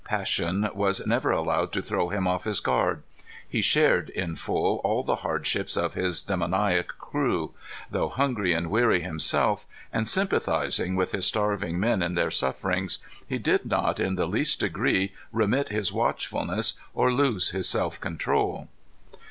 Passion was never allowed to throw him off his guard. He shared, in full, all the hardships of his demoniac crew. Though hungry and weary himself, and sympathizing with his starving men in their sufferings, he did not in the least degree remit his watchfulness or lose his self control.